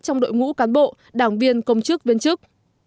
trong đội ngũ cán bộ đảng viên công chức viên chức